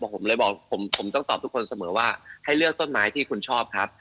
ผมเลยบอกผมต้องตอบทุกคนเสมอว่าให้เลือกต้นไม้ที่คุณชอบครับ